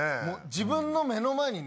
自分の目の前にね